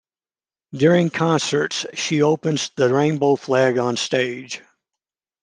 During concerts she opens the rainbow flag on stage.